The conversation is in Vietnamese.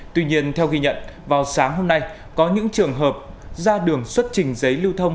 tuy nhiên theo ghi nhận vào sáng hôm nay có những trường hợp ra đường xuất trình giấy lưu thông